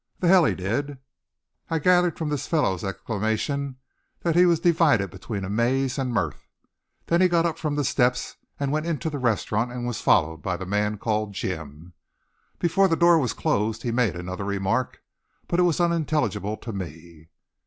"The hell he did!" I gathered from this fellow's exclamation that he was divided between amaze and mirth. Then he got up from the steps and went into the restaurant and was followed by the man called Jim. Before the door was closed he made another remark, but it was unintelligible to me.